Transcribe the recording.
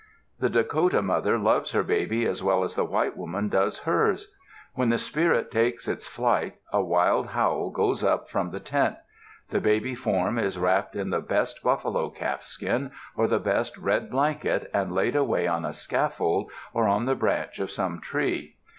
The Dakota mother loves her baby as well as the white woman does hers. When the spirit takes its flight a wild howl goes up from the tent. The baby form is wrapped in the best buffalo calfskin, or the best red blanket, and laid away on a scaffold or on the branch of some tree.